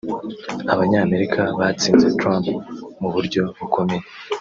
Abanyamerika batsinze Trump mu buryo bukomeye